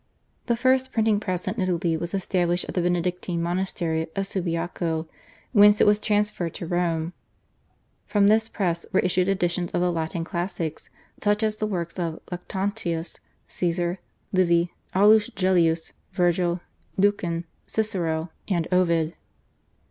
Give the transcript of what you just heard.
The first printing press in Italy was established at the Benedictine monastery of Subiaco, whence it was transferred to Rome. From this press were issued editions of the Latin classics, such as the works of Lactantius, Caesar, Livy, Aulus Gellius, Virgil, Lucan, Cicero, and Ovid.